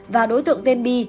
và đối tượng tên bi